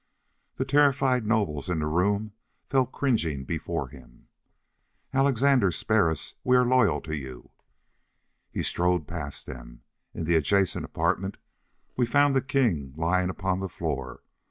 The terrified nobles in the room fell cringing before him. "Alexandre spare us! We are loyal to you!" He strode past them. In the adjacent apartment we found the king lying upon the floor.